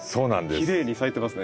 きれいに咲いてますね。